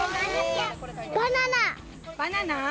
バナナ！